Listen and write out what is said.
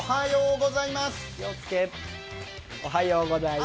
気をつけ、おはようございます。